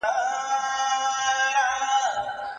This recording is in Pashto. سزد مرا به حریفان سفله بالیدن